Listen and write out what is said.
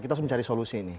kita harus mencari solusi nih